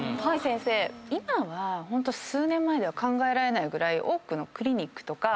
今は数年前では考えられないぐらい多くのクリニックとか。